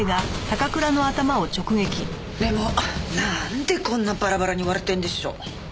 でもなんでこんなバラバラに割れてるんでしょう？